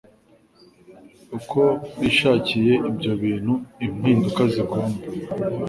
uko bishakiye ibyo bintu. Impinduka zigomba